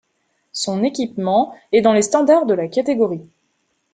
Son équipement est dans les standards de la catégorie.